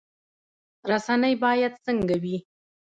رسنۍ باید څنګه وي؟